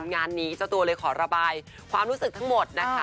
งานนี้เจ้าตัวเลยขอระบายความรู้สึกทั้งหมดนะคะ